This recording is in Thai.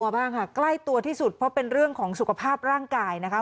กล้ายตัวที่สุดเพราะเป็นเรื่องของสุขภาพร่างกายนะคะ